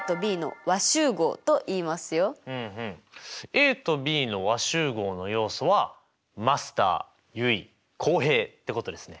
ＡとＢの和集合の要素はマスター結衣浩平ってことですね。